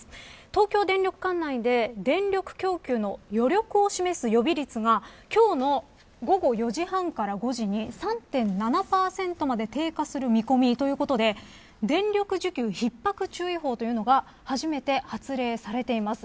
東京電力管内で電力供給の余力を示す予備率が今日の午後４時半から５時に３．７％まで低下する見込みということで電力需給ひっ迫注意報というのが初めて発令されています。